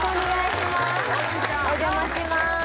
お邪魔します